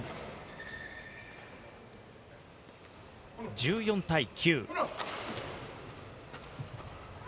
１４対９。